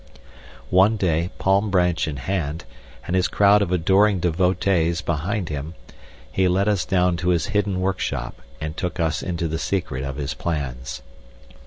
One day, palm branch in hand, and his crowd of adoring devotees behind him, he led us down to his hidden work shop and took us into the secret of his plans.